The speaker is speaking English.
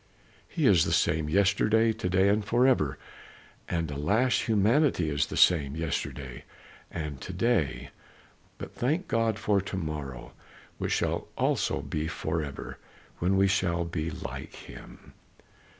"He is the same yesterday, to day and forever." And alas! humanity is the same yesterday and to day, but thank God for the to morrow, which shall also be forever, when we shall be like him!